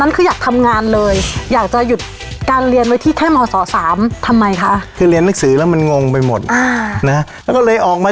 คนปรากฏว่า